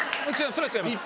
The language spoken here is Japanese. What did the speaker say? それは違います。